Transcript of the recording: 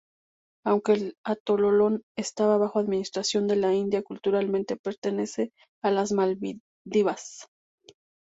Aunque el atolón está bajo administración de la India, culturalmente pertenece a las Maldivas.